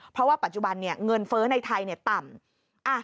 เพราะว่าปัจจุบันเงินเฟ้อในไทยต่ำ